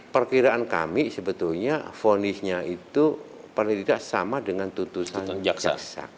perkiraan kami sebetulnya fonisnya itu paling tidak sama dengan tuntutan jaksa